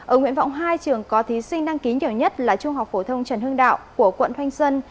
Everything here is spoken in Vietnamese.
ở nguyễn vọng ii trường có thí sinh đăng ký nhiều nhất là trung học phổ thông trần hương đạo của quận thanh sân